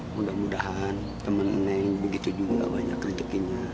mudah mudahan temen neng begitu juga banyak rejekinya